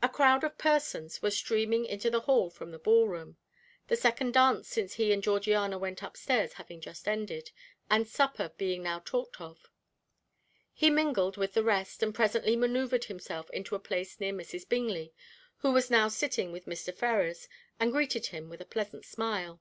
A crowd of persons were streaming into the hall from the ball room, the second dance since he and Georgiana went upstairs having just ended, and supper being now talked of. He mingled with the rest, and presently manoeuvred himself into a place near Mrs. Bingley, who was now sitting with Mr. Ferrars, and greeted him with a pleasant smile.